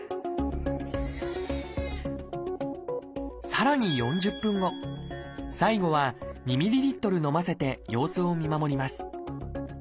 さらに４０分後最後は２ｍＬ飲ませて様子を見守ります。